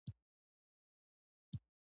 د صحیح بخاري په یوه روایت کې راغلي.